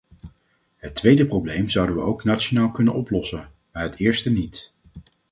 Het tweede probleem zouden we ook nationaal kunnen oplossen, maar het eerste niet.